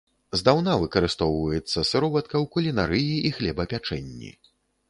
Здаўна выкарыстоўваецца сыроватка ў кулінарыі і хлебапячэнні.